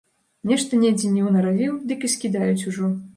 Нешта недзе не ўнаравіў, дык і скідаюць ужо.